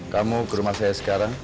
kamu ke rumah saya sekarang